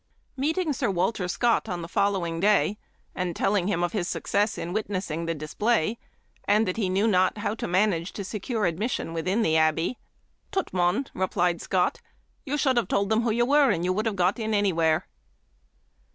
Meeting Sir Wal ter Scott on the following day, and telling him of his success in witnessing the display, and that he knew not how to manage to secure admission within the Abbey, "Tut, mon," re plied Scott, "you should have told them who you were, and you would have got in any where."